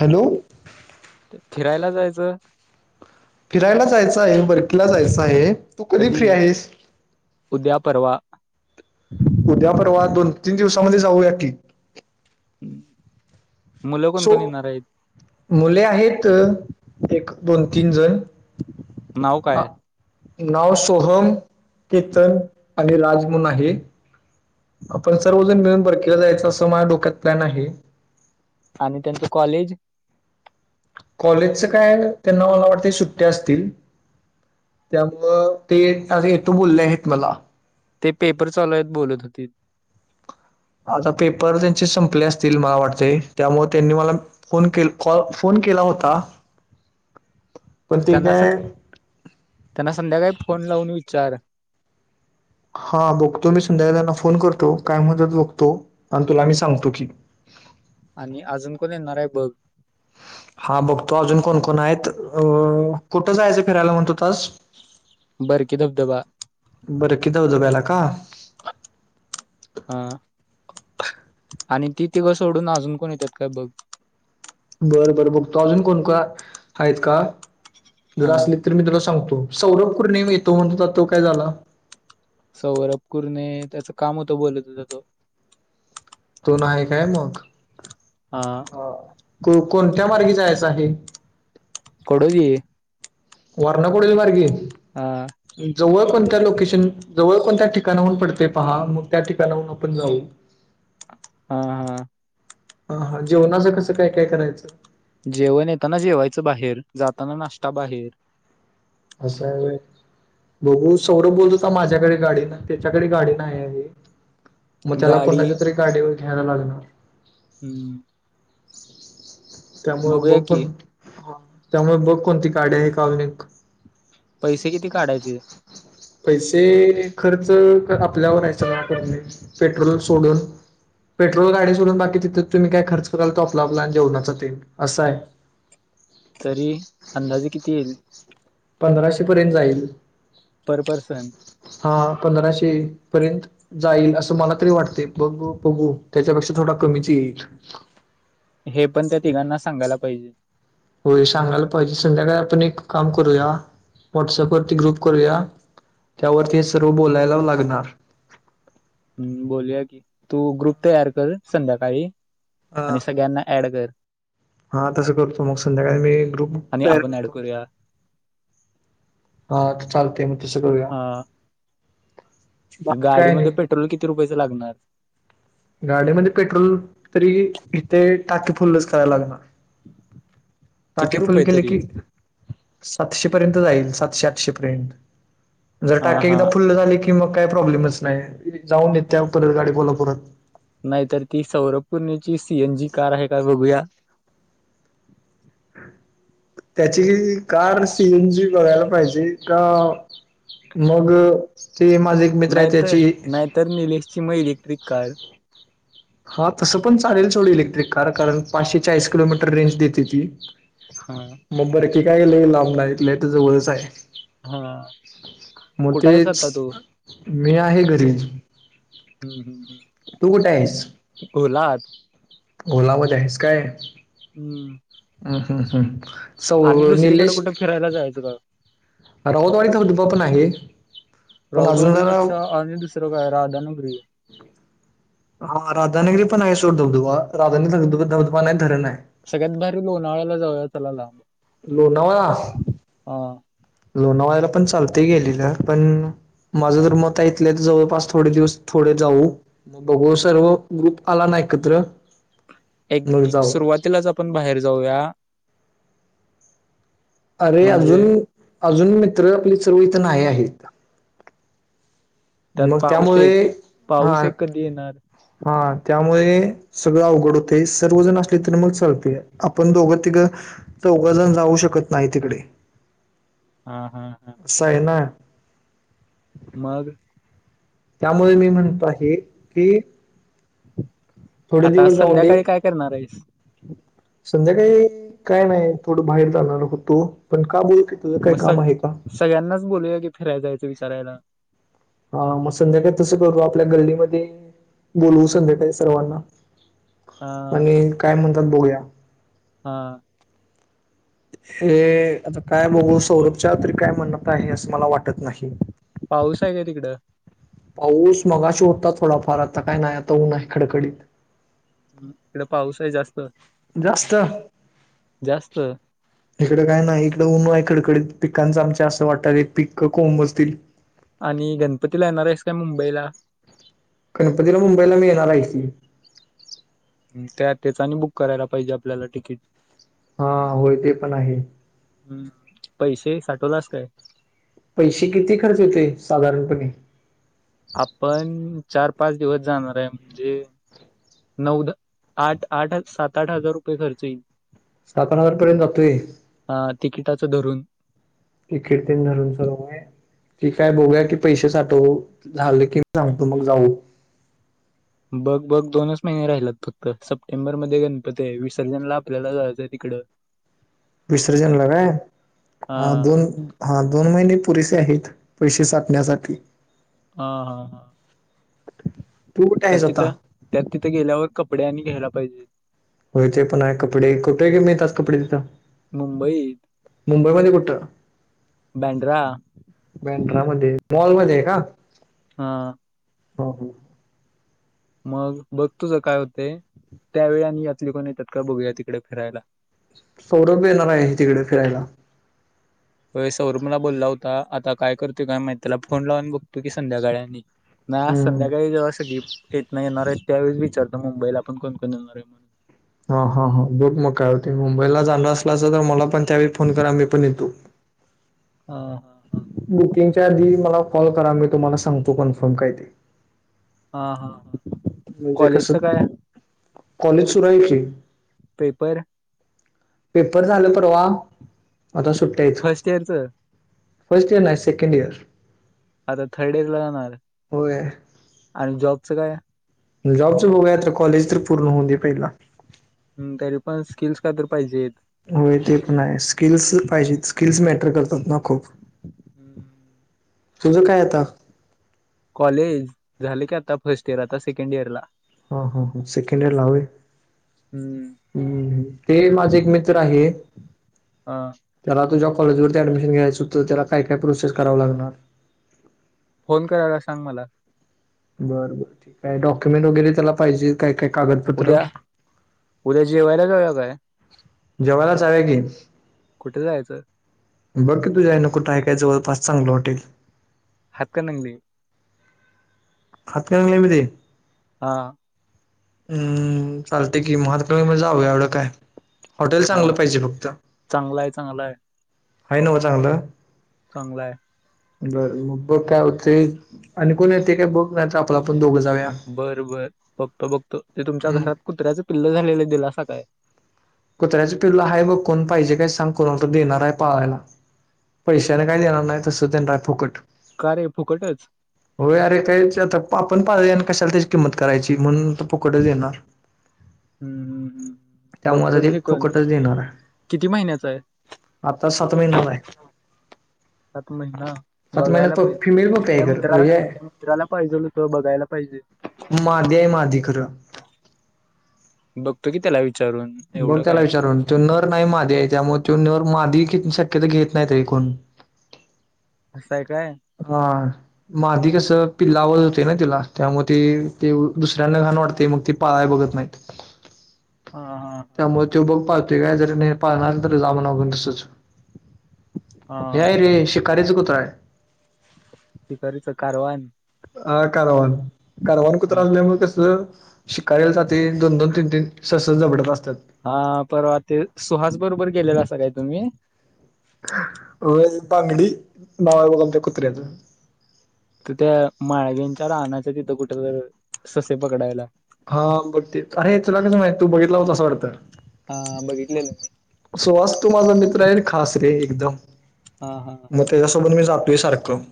Hello! फिरायला जायचं फिरायला जायचं आहे बरकीला जायचं आहे तू कधी फ्री आहेस? उद्या परवा उद्या परवा दोन तीन दिवसामध्ये जाऊया की. मुलं कोण सो कोण येणार आहेत? मुले आहेत एक दोन तीन जण नाव आ काय नाव सोहम, केतन आणि राज म्हणून आहे. आपण सर्वजण मिळून बरकीला जायचं असं माझ्या डोक्यात प्लॅन आहे. आणि त्यांच कॉलेज? कॉलेजचं काय त्यांना मला वाटतं सुट्ट्या असतील. त्यामुळं ते एक तास येतो बोलले आहेत मला. ते पेपर चालू आहेत बोलत होतीत. आता पेपर त्यांचे संपले असतील मला वाटतय त्यामुळे त्यांनी मला फोन के कॉल फोन केला होता. पण ते त्यांना स काय त्यांना संध्याकाळी फोन लावून विचार! हा बघतो मी संध्याकाळी त्यांना फोन करतो काय म्हणत्यात बघतो आणि तुला मी सांगतो की. आणि अजून कोण येणार आहे बघ! हा बघतो अजून कोणकोण आहेत, अ कुठं जायचं फिरायला म्हणत होतास? बरकी धबधबा! बरकी धबधब्याला का? अ आणि ती तिघं सोडून अजून कोण येतात काय बघ. बरं बरं बघ तो अजून कोणको आहेत का जर अ असली तर मी तुला सांगतो सौरभ कुरने येतो म्हणत होता तर तो काय झाला? सौवरभ कूरणे त्याचं काम होतं बोलत होता तो. तो नाय काय मग? आ! को कोणत्या मार्गी जायचं आहे? कोडोली! वारणा कोडोली मार्गे? हा! जवळ कोणत्या लोकेशन जवळ कोणत्या ठिकाणाहून पडतंय पहा मग त्या ठिकाणाहून आपण जाऊ. हा हा हा हा जेवणाचं कसं काय काय करायचं? जेवण येताना जेवायचं बाहेर जाताना नाष्टा बाहेर. असा आहे होय! बघू सौरभ बोलत होता माझ्याकडे गाडी नाही त्याच्याकडे गाडी नाही आहे. मग त्याला गाडी कुणाच्या तरी गाडीवर घ्यायला लागणार. हम्म! त्यामुळ बघूया बघू की त्यामुळे बघ कोणती गाडी आहे का अजून एक! पैसे किती काढायचे? पैसे खर्च आपल्यावर हाय सगळा करणे पेट्रोल सोडून पेट्रोल गाडी सोडून बाकी तिथं तुम्ही काय खर्च कराल तो आपला आपला जेवना चा ते आस आहे. तरी अंदाजे किती येईल? पंधराशे पर्यंत जाईल. पर पर्सन हा पंधराशे पर्यंत जाईल असं मला तरी वाटते बघू बघू त्याच्यापेक्षा थोडा कमीच येईल. हे पण त्या तिघांना सांगायला पाहिजे. होय सांगायला पाहिजे संध्याकाळी आपण एक काम करूया व्हॉट्सअपवररती ग्रुप करूया. त्यावर ते सर्व बोलायला लागणार. हम्म बोलूया की तू ग्रुप तयार कर संध्याकाळी हा. आणि सगळ्यांना ऍड कर. हा तसं करतो मग संध्याकाळी मी ग्रुप आणि तयार आपण ऍड करतो. करूया हा चालतेय मग तसं करूया. क बाकी काय गाडीमध्ये नाही पेट्रोल किती रुपयाच लागणार. गाडीमध्ये पेट्रोल तरी इथे टाके फुलच करायला लागणार. किती टाकीे फुल रुपये केले तरी की सातशे पर्यंत जाईल सातशे, आठशे पर्यंत जर हा टाके हा एकदा फुल्ल झाले की मग काही प्रॉब्लेमच नाही जाऊन येत त्या परत गाडी परत कोल्हापुरात. नाहीतर की सौरभपूर्णेची सीएन जी कार आहे काय बघूया. त्याची कार सीएन जी बघायला पाहिजे का? मग ते माझी नाहीतर, नाहीतर निलेशची मग इलेक्ट्रिक कार हा तसं पण चालेल थोड इलेक्ट्रिक कार कारण पाचशे चाळीस किलोमीटर रेंज देते ती. हा. मग बरंकी कायले लांब नाय इथले त्या जवळच आहे. हा मग कुठे आहेस आता तेच तू मी आहे घरी. हम् हम हम तू कुठे आहेस ओला मधे आहेस काय? हम्म हम् हम्म हम्म सौ आणि दुसरीकडे निलेश कुठे फिरायला जायचं का राऊतवाडीचुबा पण आहे. पण राऊत अजून जरा ओढूपेक्षा आणि दुसरं काय राध नगरीय. हा राधानगरी पण आहे सोर धबधबा राधानी धबधुबा बधुबा नाही धरण आहे. सगळ्यात भारी लोणावळ्याला जाऊया चला लांब. लोणावळा अ लोणावळ्याला पण चालतय गेल्यावर पण. माझं जर मत हाय हिथल्या हिथं तर जवळपास थोडे दिवस थोडे जाऊ. बघू सर्व ग्रुप आला नाही एकत्र. एक मग जाऊ सुरुवातीलाच आपण बाहेर जाऊया, अरे! अजून, म्हणजे अजून मित्र आपली सर्व इथ नाही आहेत. त्यात मग पाऊस एक त्यामुळे हा पाऊस एक कधी येणार हा त्यामुळे सगळं अवघड होते सर्वजण असले तर मग चालते आपण दोघं, तिघं. चौघंजण जाऊ शकत नाही तिकडे. हा हा हा असं आहे ना. मग त्यामुळे मी म्हणतो आहे की, थोडे आता दिवस जाऊन दे संध्याकाळी काय करणार आहेस? संध्याकाळी काय नाही थोडं बाहेर जाणार होतो पण का बोलकि तुझं काय मग सग काम आहे का? सगळ्यांनाच बोलूया की फिरायला जायचं विचारयला. हा मग संध्याकाळी तसं करू आपल्या गल्लीमध्ये बोलवू संध्याकाळी सर्वांना. हा आणि काय म्हणतात बघूया. हा हे आता काय बघू सौरभच्या तरी काय म्हणणत आहे असं मला वाटत नाही. पाऊस आहे काय तिकडं? पाऊस मगाशी होता थोडाफार आता काय नाही आता ऊन हाय खडकडीत. इकडे पाऊस आहे जास्त. जास्त जास्त इकडं काय नाही इकडं उन आहे कडकडीत पिकांचं आमच्या असं वाटतात एक पिकं कोंमजतील. आणि गणपती ला येणार आहेस काय मुंबईला? गणपतीला मुंबईला मी येणार आहे की. त्या तेच आणि बुक करायला पाहिजे आपल्याला तिकीट. हां होय ते पण आहे. हम्म पैसे साठवलास काय? पैसे किती खर्च येतोय साधारणपणे? आपण चार, पाच दिवस जाणार आहे म्हणजे नऊ, दहा, आठ, सात, आठ हजार रुपये खर्च येईल. सात, आठ हजार पर्यंत जातोय. हां तिकिटाचं धरून. तिकीट तेन धरून सगळं होय. ठीक हाय बघूया की पैसे साठव झाले की मी सांगतो मग जाऊ. बग बघ दोनच महिने राहिल्यात फक्त सप्टेंबर मध्ये गणपती आहे, विसर्जनला आपल्याला जायचंय तिकडं. [inaudible] विसर्जन ला काय हा हां दोन हां दोन महिने पुरेसे आहेत पैसे साठण्यासाठी. हां हां हां तू कुठे आहेस त्यात आता तिथं त्यात तिथ गेल्यावर कपडे आणि घ्यायला पाहिजेत. होय ते पण आहे कपडे कुठे मिळतात कपडे तिथ मुंबईत मुंबईमध्ये कुठ? बंड्रा बँड्रा मध्ये मॉलमध्ये आहे का? हां. हां. मग बघ तुझ काय होतय त्यावेळी आणि यातली कोण येत्यात काय बघूया तिकड फिरायला. सौरभ बी येणार आहे तिकडे फिरायला. होय सौरभ मला बोलला होता आता काय करतोय काय माहीत त्याला फोन लावून बघतो की संध्याकाळी आणि. नाही आज हम्म संध्याकाळी जेव्हा असं गिफ्ट येत नाही येणार आहेत त्यावेळेस विचारतो मुंबईला आपण कोण कोण येणार आहे म्हणुन? हां हां हां बघ मग काय होतय मुंबईला जाणार असलासा तर मला पण त्यावेळी फोन करा मी पण येतो. हां. बुकिंगच्या आधी मला कॉल करा मी तुम्हाला सांगतो कन्फर्म काय हाय ते. हां हां. म्हणजे कस कॉलेज सुरू आहे की पेपर? पेपर झालं परवा आता सुट्ट्या हाईत. फर्स्ट इयरचं फर्स्ट इयर नाहीे सेकेंड इयर आता थर्ड इर ला जाणार होय आणि जॉबचं काय जॉबचं बघूया आता कॉलेज तर पूर्ण होऊन दे पहिला. हं तरी पण स्किल्स काय तर पाहिजेत. होय ते पण आहे स्किल्स पाहिजेत स्किल्स मॅटर करतात ना खूप हम्म हम्म तुझं काय आता? कॉलेज झाल की आता फर्स्ट इयर आता सेकंड इयर ला. हं हं हं सेकेंड इयरला होय. हम्म. हम् ते माझ एक मित्र आहे. हा त्याला तुझ्या कॉलेजवरती ऍडमिशन घ्यायच होत तर त्याला काय काय प्रोसेस करावं लागणार? फोन करायला सांग मला. बर बर ठीक आहे डॉक्युमेंट वगैरे त्याला पाहिजे काय काय कागदपत्र उद्या उद्या जेवायला जाऊया काय जवायला जाऊया की कुठे जायचं बघ की तुझ्या हयान कुठं आहे काय जवळपास चांगलं हॉटेल हायत काय नंगली [unintelligible] हा. हम् चालते की महातका म जावूया एवढं काय हॉटेल हा चांगलं पाहिजे फक्त चांगला आहे चांगला आहे आहे न्हवं चांगलं चांगलय. बरं मग बघ काय होते आणि कोण येते काय बघ नाय त आपला पण दोघं जाऊया. बरं बर बघतो बघतो ते तुमच्या हम्म घरात कुत्र्याचं पिल्ल झालेलं दिलासा काय? कुत्र्याच पिल्ल हाय बघ कोन पाहिजे काय सांग कोणालातरी देणार आहे पाळायला. पैशाने काय देणार नाय तसच देणार हाय फुकट. का रे फुकटच हो अरे काही आता आपण पाळलय आणि कशाला त्याची किंमत करायची म्हणून तो फुकटच देणार. हूं हूं हूं हूं हूं त्यामुळे बघतो आता ते घे कोण फुकटच देणार आहे किती महिन्याच आहे. आता सात महिना वा [inaudible] सात महिन सात बघायला महिन्यात फिमेल पाहिजे पप्पी आहे एक्या खरं मित्राला हे आहे मित्राला पाहिजेल होत बघायला पाहिजे. मादी हाय मादी खर बघतो की त्याला विचारून बघ एवढं त्याला काय विचारून तो नर नाही माधी आहे त्यामुळे तो नर माधी शक्यता घेत नाहीत रे कोणं असंय काय? हा माधी कस पिल्लावर होते ना तिला त्यामुळ ती ती दुसऱ्यांना घाण वाटते मग ती पळाय बघत नाहीत. हा हा त्यामुळे त्यो बघ पाळतोय काय जरी नाही पाळला तरी जामागून असच हें हाय हा रे शिकारीच कुत्रा आहे. शिकरीच कारवाण. अ कारवान कारवान कुत्र हा असंल्यामुळं कस शिकारीला जाते दोन दोन तीन तीन सस जबड्यात असतात. हा परवा ते सुहास बरोबर गेलेला असा काय तुम्ही होय बांगडी नाव हाय बघ आमच्या कुत्र्याच तर त्या माळवीच्या रानाच्या तिथं कुठ तर ससे पकडायला. हा बघते अरे तुला कसं माहित तू बघितला होतास वाडतं. हा बघितलेल मी सुवास तो माझा मित्र आहे खास रे एकदम हा हा हा त्याच्यासोबत मी जातोय सारखं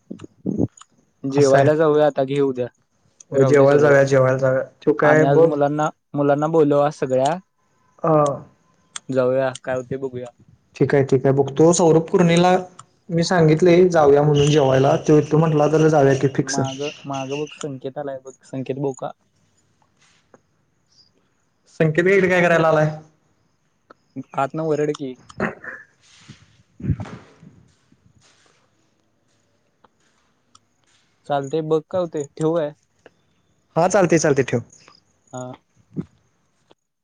[unintelligible] असं आहे जेवायला जाऊया आता घे उद्या होय, राहू दे जेवायला सगळं जाऊया जेवायला जाऊया तो काय आणि आज बघ मुलांना मुलांना बोलव आज सगळ्या अ जाऊया काय होते बघूया. ठीक हाय ठीक हाय बघतो सौरभ कुर्णीला मी सांगितले जाऊया म्हणून जेवायला. त त्यो म्हंटला होता ना जाऊया की फिक्स माग माग बघ संकेत आलाय बघ संकेत बघू का? संकेत काय इकडं काय करायला आलाय. आतना वरड की चालतेय बघ का होतय ठेवू काय हा चालते चालते ठेव हा